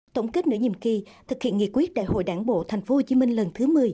tổng kết nửa nhiệm kỳ thực hiện nghị quyết đại hội đảng bộ tp hcm lần thứ một mươi